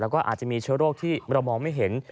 แล้วก็อาจจะมีเชื้อโรคที่เรามองไม่เห็น